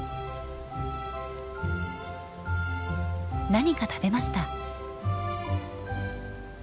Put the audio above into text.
何か食べました。